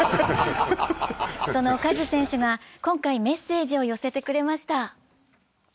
そのカズ選手が今回メッセージを寄せてくれました。